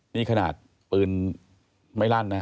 นี่ขนาดปืนไม่ลั่นนะ